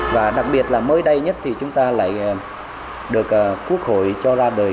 và đặc biệt là mới đây nhất thì chúng ta lại được quốc hội cho ra đời